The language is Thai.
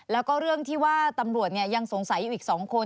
แล้วก็เรื่องที่ว่าตำรวจยังสงสัยอยู่อีก๒คน